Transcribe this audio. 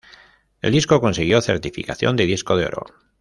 El disco consiguió certificación de disco de oro.